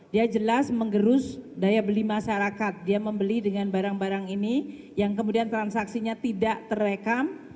dia jelas menggerus daya beli masyarakat dia membeli dengan barang barang ini yang kemudian transaksinya tidak terekam